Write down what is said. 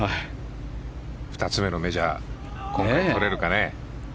２つ目のメジャーとれるかね。